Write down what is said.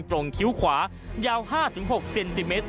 คิ้วขวายาว๕๖เซนติเมตร